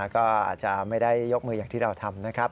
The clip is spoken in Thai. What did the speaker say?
ก็อาจจะไม่ได้ยกมืออย่างที่เราทำนะครับ